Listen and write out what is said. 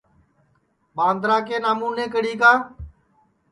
ٻاندرا کے نامونے کڑی کا